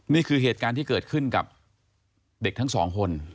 นี่คือเหตุการณ์ที่เกิดขึ้นกับเด็กทั้งสองคน